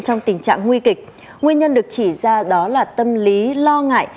trong tình trạng nguy kịch nguyên nhân được chỉ ra đó là tâm lý lo ngại